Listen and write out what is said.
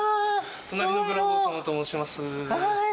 『隣のブラボー様』と申します。